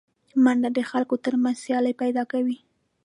منډه د خلکو تر منځ سیالي پیدا کوي